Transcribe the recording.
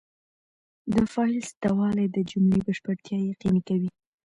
د فاعل سته والى د جملې بشپړتیا یقیني کوي.